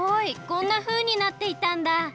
こんなふうになっていたんだ！